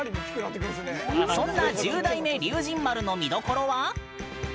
そんな１０代目龍神丸の見どころは？